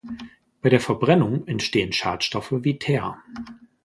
Bei der Verbrennung entstehen Schadstoffe, wie Teer.